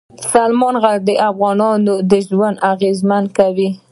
سلیمان غر د افغانانو ژوند اغېزمن کوي.